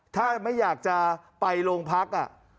ถ้าไม่อยากจะไปโรงพัก